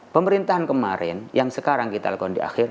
pemerintahan kemarin yang sekarang kita lakukan di akhir